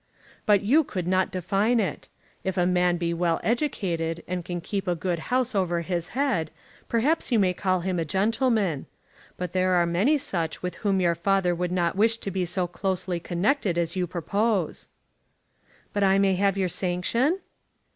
"But you could not define it. If a man be well educated, and can keep a good house over his head, perhaps you may call him a gentleman. But there are many such with whom your father would not wish to be so closely connected as you propose." "But I may have your sanction?"